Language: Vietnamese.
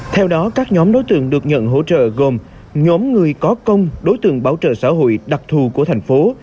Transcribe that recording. theo đó các nhóm đối tượng được nhận hỗ trợ gồm nhóm người có công đối tượng bảo trợ xã hội đặc thù của thành phố